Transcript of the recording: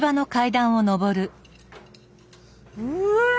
うわ！